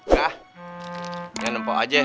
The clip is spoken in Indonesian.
kak jangan nampak aja